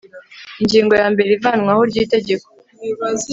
ingingo ya mbere ivanwaho ry itegeko